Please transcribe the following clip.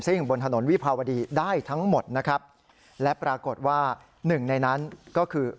ซึ่งบนถนนวิภาวดีได้ทั้งหมดนะครับและปรากฏว่าหนึ่งในนั้นก็คือ